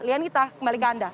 lianita kembali ke anda